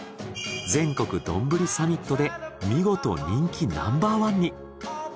全国丼サミットで見事人気ナンバー１に。